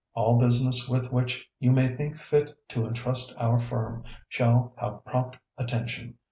All business with which you may think fit to entrust our firm shall have prompt attention.